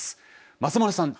松丸さん。